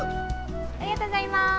ありがとうございます。